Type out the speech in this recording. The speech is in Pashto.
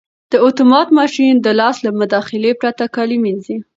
دا اتومات ماشین د لاس له مداخلې پرته کالي مینځي.